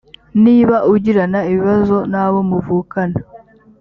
niba ugirana ibibazo n abo muvukana